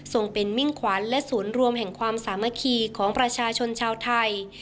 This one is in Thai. ส่งเป็นมิ่งขวัญและศูนย์รวมแห่งความสามัคคีของประชาชนชาวไทย